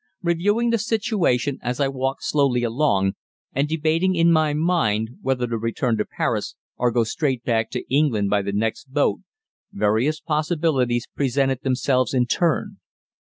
Reviewing the situation, as I walked slowly along, and debating in my mind whether to return to Paris or go straight back to England by the next boat, various possibilities presented themselves in turn.